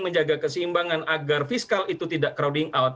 menjaga keseimbangan agar fiskal itu tidak crowding out